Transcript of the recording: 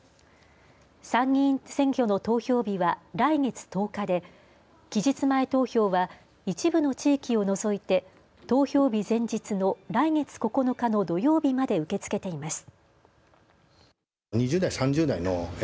参議院選挙の投票日は来月１０日で、期日前投票は一部の地域を除いて投票日前日の来月９日の土曜日まで受け付けています。